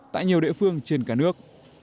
tại nhiều địa phương trên cả nước